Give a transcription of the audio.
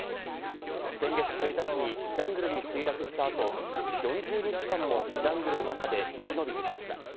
先月１日にジャングルに墜落した後、４０日間もジャングルの中で生き延びてきました。